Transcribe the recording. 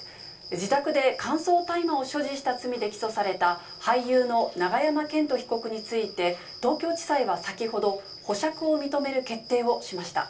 自宅で乾燥大麻を所持した罪で起訴された、俳優の永山絢斗被告について、東京地裁は先ほど、保釈を認める決定をしました。